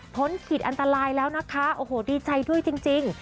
ขีดอันตรายแล้วนะคะโอ้โหดีใจด้วยจริง